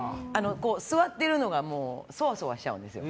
座っているのがそわそわしちゃうんですよ。